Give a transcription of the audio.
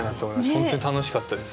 本当に楽しかったです。